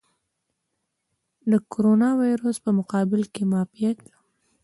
د کوروناویرس په مقابل کې معافیت.